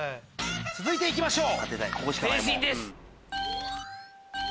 続いていきましょう。